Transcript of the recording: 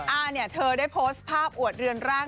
อาเนี่ยเธอได้โพสต์ภาพอวดเรือนร่าง